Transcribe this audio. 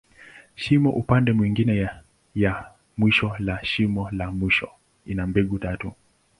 Shimo upande mwingine ya mwisho la shimo la mwisho, ina mbegu tatu.